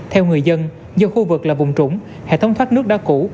theo người dân do khu vực là vùng trũng hệ thống thoát nước đã cũ